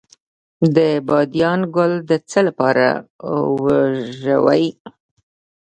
د بادیان ګل د څه لپاره وژويئ؟